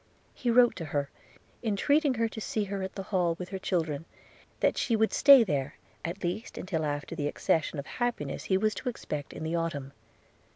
He wrote to her, entreating to see her at the Hall with her children, and that she would stay there at least till after the accession of happiness he was to expect in the autumn.